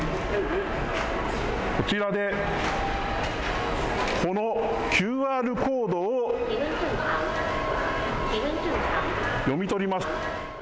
こちらでこのＱＲコードを読み取ります。